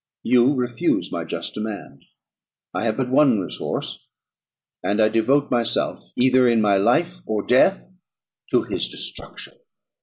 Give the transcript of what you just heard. You refuse my just demand: I have but one resource; and I devote myself, either in my life or death, to his destruction."